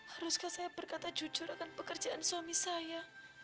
haruskah saya berkata jujur akan pekerjaan suami saya